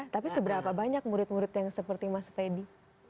tapi seberapa banyak murid murid yang seperti mas freddy